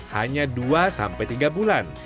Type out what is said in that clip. hanya dua sampai tiga bulan